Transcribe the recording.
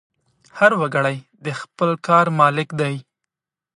هر وګړی د خپل کار مالک دی.